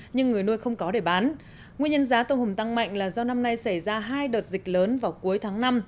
nhưng người nuôi không có để bán nguyên nhân giá tôm hùm tăng mạnh là do năm nay xảy ra hai đợt dịch lớn vào cuối tháng năm